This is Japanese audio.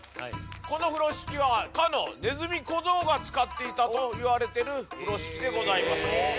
この風呂敷はかのねずみ小僧が使っていたといわれてる風呂敷でございます。